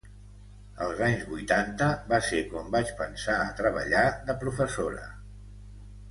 Als anys vuitanta va ser quan vaig pensar a treballar de professora.